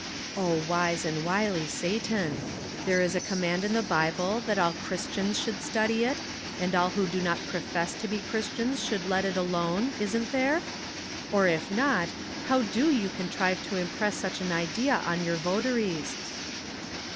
Oh, wise and wily Satan ! There is a com mand in the Bible that all Christians should study it, and all who do not profess to be Chris tians should let it alone, isn't there? Or, if not, how do you contrive to impress such an idea on your votaries?